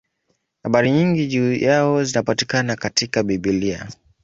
Habari nyingi juu yao zinapatikana katika Biblia.